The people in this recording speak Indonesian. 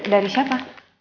ini dari siapa